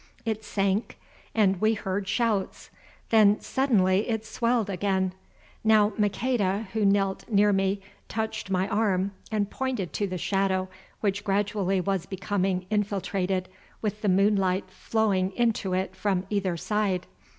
It sank, and we heard shouts. Then suddenly it swelled again. Now Maqueda, who knelt near me, touched my arm and pointed to the shadow which gradually was becoming infiltrated with the moonlight flowing into it from either side.